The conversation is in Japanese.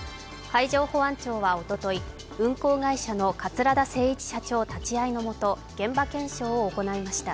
海上保安庁はおととい運航会社の桂田精一社長立ち会いのもと現場検証を行いました。